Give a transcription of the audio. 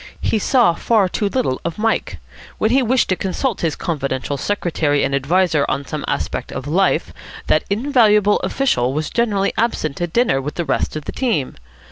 He saw far too little of Mike. When he wished to consult his confidential secretary and adviser on some aspect of Life, that invaluable official was generally absent at dinner with the rest of the team.